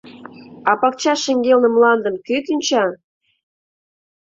А пакча шеҥгелне мландым кӧ кӱнча?»